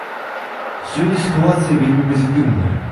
Сёння сітуацыя вельмі пазітыўная.